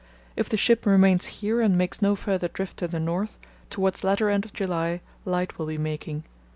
If the ship remains here and makes no further drift to the north, towards latter end of July light will be making.